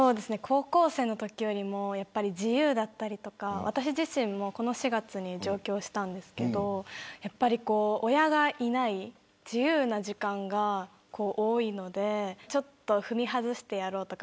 高校生のときよりも自由だったり私自身もこの４月に上京しましたけどやっぱり親がいない自由な時間が多いのでちょっと踏み外してやろうとか